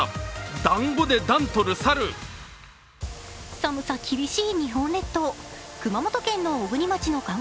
寒さ厳しい日本列島。